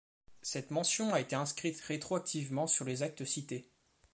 Cette mention a été inscrite rétroactivement sur les actes cités.